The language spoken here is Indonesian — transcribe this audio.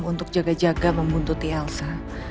untuk jaga jaga membuntuti elsa